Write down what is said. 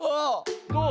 どう？